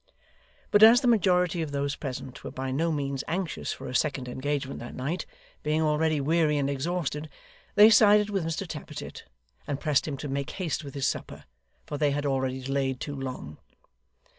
But as the majority of those present were by no means anxious for a second engagement that night, being already weary and exhausted, they sided with Mr Tappertit, and pressed him to make haste with his supper, for they had already delayed too long.